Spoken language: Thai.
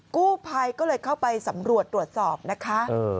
กู้ภัยก็เลยเข้าไปสำรวจตรวจสอบนะคะ